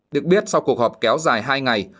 được biết sau cuộc họp kéo dài hai ngày